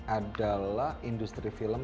adalah industri film